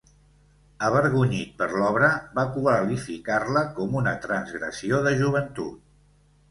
Avergonyit per l'obra, va qualificar-la com una transgressió de joventut.